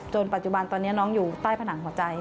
ปัจจุบันตอนนี้น้องอยู่ใต้ผนังหัวใจ